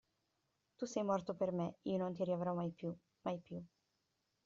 Tu sei morto per me, io non ti riavrò mai più, mai più.